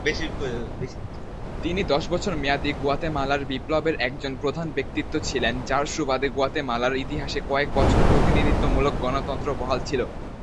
তিনি দশ বছর মেয়াদী গুয়াতেমালার বিপ্লবের একজন প্রধান ব্যক্তিত্ব ছিলেন, যার সুবাদে গুয়াতেমালার ইতিহাসে কয়েক বছর প্রতিনিধিত্বমূলক গণতন্ত্র বহাল ছিল।